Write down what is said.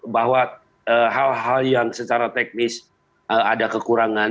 bahwa hal hal yang secara teknis ada kekurangan